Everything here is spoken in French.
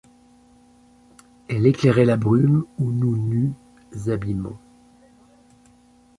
Elle éclairait la brume où nous nus abîmons ;